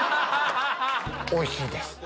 おいしいです！